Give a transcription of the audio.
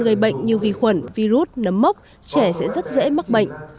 gây bệnh như vi khuẩn virus nấm mốc trẻ sẽ rất dễ mắc bệnh